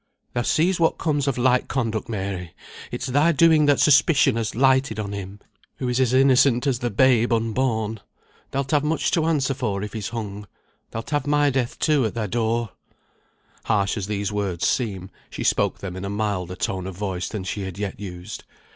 "Thou seest what comes of light conduct, Mary! It's thy doing that suspicion has lighted on him, who is as innocent as the babe unborn. Thou'lt have much to answer for if he's hung. Thou'lt have my death too at thy door!" Harsh as these words seem, she spoke them in a milder tone of voice than she had yet used.